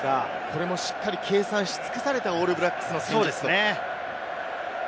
そこにしっかり計算し尽くされたオールブラックスの戦術。